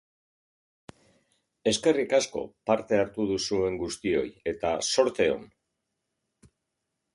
Eskerrik asko parte hartu duzuen guztioi eta zorte on!